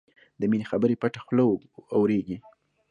د مینې خبرې پټه خوله اورېږي